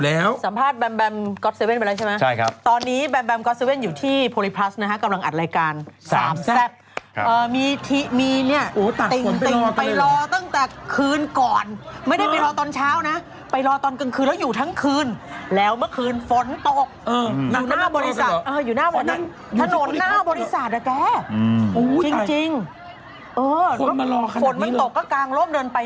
ล่าสุดที่มันเกิดที่จังหวัดสงขา